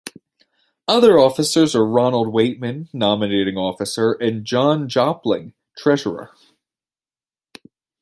Other officers are Ronald Weightman, nominating officer, and John Jopling, treasurer.